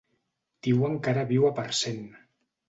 Diuen que ara viu a Parcent.